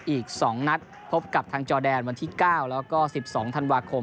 อีก๒นัดพบกับทางจอแดนวันที่๙แล้วก็๑๒ธันวาคม